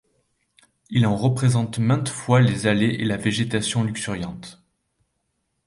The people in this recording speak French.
Il en représente maintes fois les allées et la végétation luxuriante.